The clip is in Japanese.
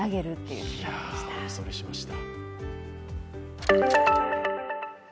お見それしました。